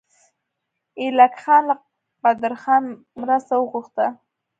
ایلک خان له قدرخان مرسته وغوښته.